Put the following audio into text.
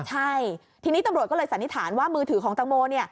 ใช่ทีนี้ตำรวจก็เลยสันนิษฐานว่ามือถือของตังโม